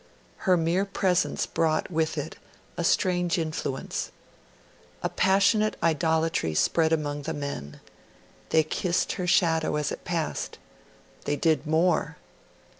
Her mere presence brought with it a strange influence. A passionate idolatry spread among the men they kissed her shadow as it passed. They did more.